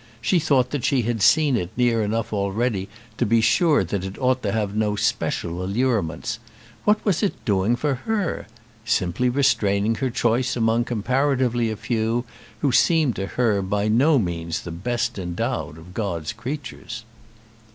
She thought that she had seen it near enough already to be sure that it ought to have no special allurements. What was it doing for her? Simply restraining her choice among comparatively a few who seemed to her by no means the best endowed of God's creatures.